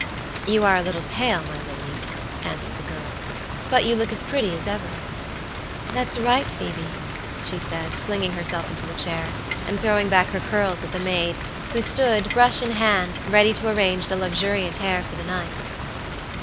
"You are a little pale, my lady," answered the girl, "but you look as pretty as ever." "That's right, Phoebe," she said, flinging herself into a chair, and throwing back her curls at the maid, who stood, brush in hand, ready to arrange the luxuriant hair for the night.